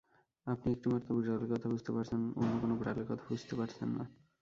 আপনি একটিমাত্র বিড়ালের কথা বুঝতে পারছেন, অন্য কোনো বিড়ালের কথা বুঝতে পারছেন না।